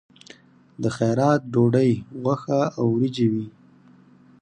د خیرات ډوډۍ غوښه او وریجې وي.